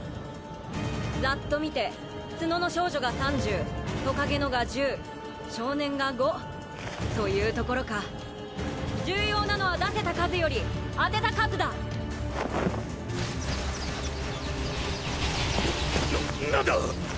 ざっと見て角の少女が３０トカゲのが１０少年が５というところか重要なのは出せた数より当てた数だな何だ！？